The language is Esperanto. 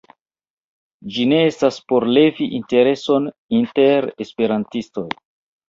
Ĝi ne estas por levi intereson inter Esperantistoj.